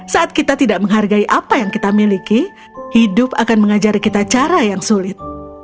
saat kita tidak menghargai apa yang kita miliki hidup akan mengajari kita cara yang sulit